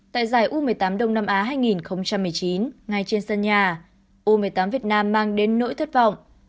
tại giải u một mươi tám đông nam á hai nghìn một mươi chín ngay trên sân nhà u một mươi tám việt nam mang đến nỗi thất vọng